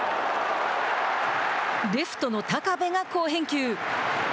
レフトの高部が好返球。